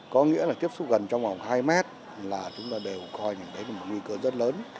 có nghĩa là tiếp xúc gần trong khoảng hai mét là chúng ta đều coi như thế là một nguy cơ rất lớn